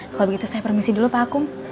kalau begitu saya permisi dulu pakum